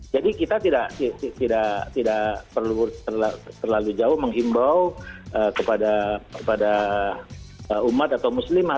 jadi kita tidak perlu terlalu jauh mengimbau kepada umat atau muslimah